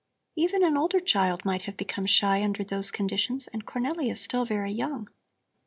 "Even an older child might have become shy under those conditions, and Cornelli is still very young.